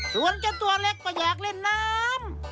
ส่วนเจ้าตัวเล็กก็อยากเล่นน้ำ